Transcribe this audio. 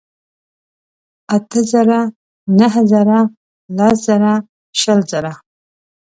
اتۀ زره ، نهه زره لس ژره شل زره